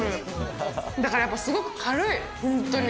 だからやっぱすごく軽い、本当に。